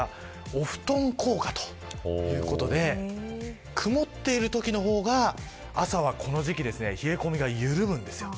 お布団効果ということで曇っているときの方が朝はこの時期冷え込みが緩むんですよ。